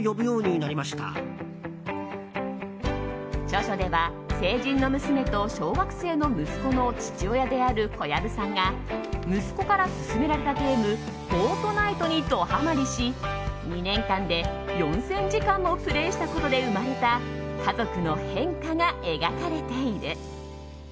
著書では成人の娘と小学生の息子の父親である小籔さんが息子から勧められたゲーム「フォートナイト」にドはまりし２年間で４０００時間もプレーしたことで生まれた家族の変化が描かれている。